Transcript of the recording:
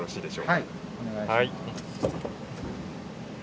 はいお願いします。